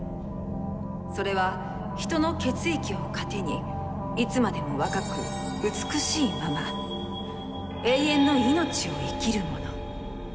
それは人の血液を糧にいつまでも若く美しいまま永遠の命を生きる者。